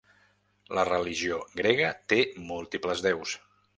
La religió grega té múltiples déus.